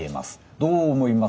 どう思いますか？